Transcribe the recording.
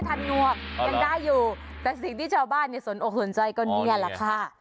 แต่สิ่งที่ชาวบ้านสนอดก็นี่ละค่ะ